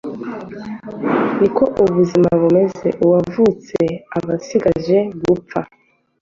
niko ubuzima bumeze uwavutse abasigaje gupfa